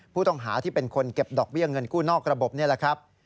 ผู้ต้องหาที่เป็นคนเก็บดอกเบี้ยเงินกู้นอกระบบนี่แหละครับ